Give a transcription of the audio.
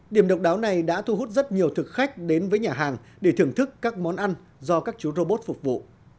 điểm độc đáo này đã thu hút rất nhiều thực khách đến với nhà hàng để thưởng thức các món ăn do các chú robot phục vụ